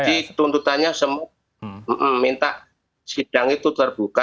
jadi tuntutannya semua minta sidang itu terbuka